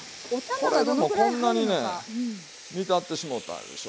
これでもこんなにね煮立ってしもうたでしょ。